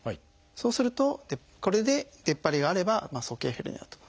そうするとこれで出っ張りがあれば鼠径ヘルニアと。